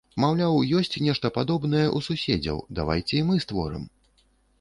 Маўляў, ёсць нешта падобнае ў суседзяў, давайце і мы створым!